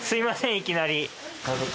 いきなり。